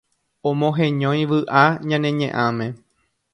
omoheñói vy'a ñane ñe'ãme.